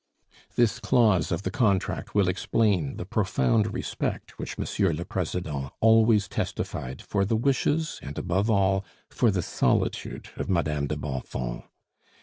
This clause of the contract will explain the profound respect which monsieur le president always testified for the wishes, and above all, for the solitude of Madame de Bonfons.